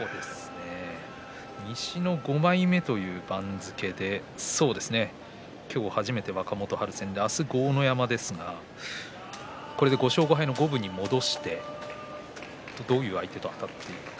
西の５枚目という番付で今日、初めて若元春戦で明日、豪ノ山戦ですがこれで５勝５敗の五分に戻してどういう相手とあたっていくのか。